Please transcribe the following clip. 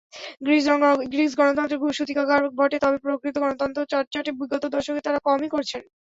Greece গণতন্ত্রের সূতিকাগার বটে, তবে প্রকৃত গণতন্ত্রচর্চাটা বিগত দশকে তাঁরা কমই করেছেন।